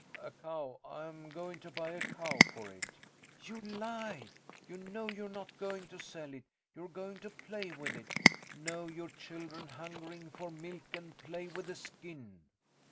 A cow. I'm going to buy a cow for it. You lie! You know you're not going to sell it. You're going to play with it. Know your children hungering for milk and play with the skin!